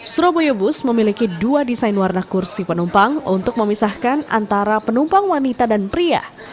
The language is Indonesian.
surabaya bus memiliki dua desain warna kursi penumpang untuk memisahkan antara penumpang wanita dan pria